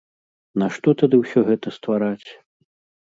Нашто тады ўсё гэта ствараць?